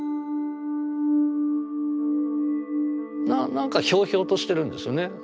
なんかひょうひょうとしてるんですよね。